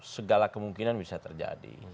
segala kemungkinan bisa terjadi